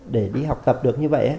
để đi học tập được như vậy